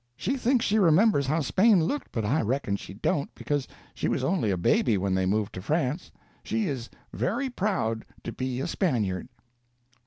She thinks she remembers how Spain looked, but I reckon she don't, because she was only a baby when they moved to France. She is very proud to be a Spaniard."